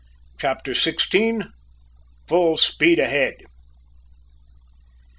CHAPTER SIXTEEN. FULL SPEED AHEAD.